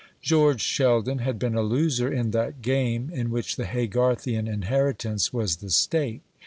George Sheldon had been a loser in that game in which the Haygarthian inheritance was the stake.